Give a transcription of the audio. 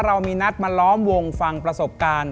เรามีนัดมาล้อมวงฟังประสบการณ์